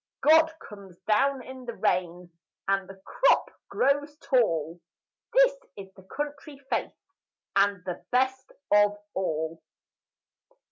God comes down in the rain, And the crop grows tall This is the country faith, And the best of all.